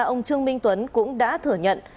ông trương minh tuấn cũng đã thừa nhận